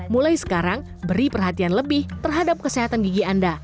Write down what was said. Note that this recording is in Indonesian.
mulai sekarang beri perhatian lebih terhadap kesehatan gigi anda